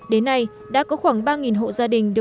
đến nay đã có khoảng ba hộ gia đình